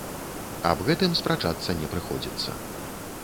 Аб гэтым спрачацца не прыходзіцца.